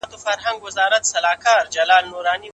رسول الله ص تل په رښتیا ویل.